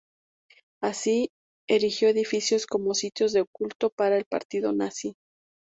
Así, erigió edificios como sitios de culto para el partido nazi.